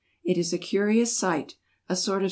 It is a curious sight. A sort of RUSSIA.